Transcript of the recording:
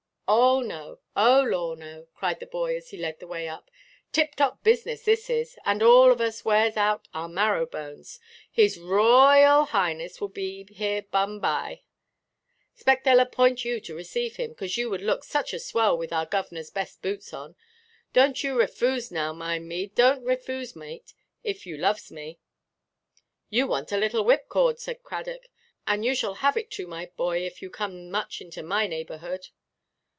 "Oh no! oh lor no," cried the boy as he led the way in; "tip–top business this is, and all of us wears out our marrow–bones. His Ro–oyal Highness will be here bumbye. 'Spect theyʼll appoint you to receive him, 'cos you would look such a swell with our governorʼs best boots on. Donʼt you refoose now, mind me, donʼt refoose, mate, if you loves me." "You want a little whipcord," said Cradock; "and you shall have it too, my boy, if you come much into my neighbourhood."